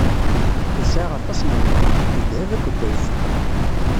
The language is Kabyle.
Isɛa aṭas n lmal, n ddheb akked lfeṭṭa.